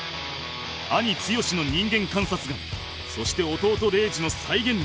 兄剛の人間観察眼そして弟礼二の再現力